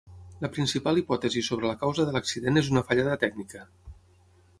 La principal hipòtesi sobre la causa de l’accident és una fallada tècnica.